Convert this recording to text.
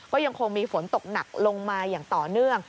ก็ยังคงมีฝนตกหนักลงมาอย่างต่อเนื่อง